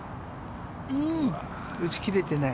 打ち切れてない。